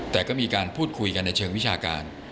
แต่ก็มีการพูดคุยกันในเชิงวิชาการ